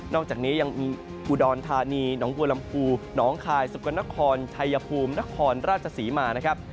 อกจากนี้ยังมีอุดรธานีหนองบัวลำพูหนองคายสุกลนครชัยภูมินครราชศรีมานะครับ